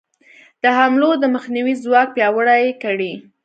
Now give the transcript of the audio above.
د حملو د مخنیوي ځواک پیاوړی کړي.